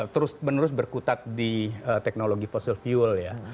terus menerus berkutat di teknologi fossil fuel ya